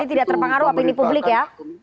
jadi tidak terpengaruh apa ini publik ya